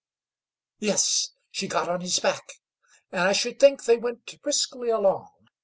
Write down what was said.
Yes, she got on his back, and I should just think they went briskly along.